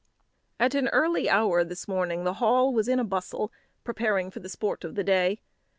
At an early hour this morning the Hall was in a bustle, preparing for the sport of the day.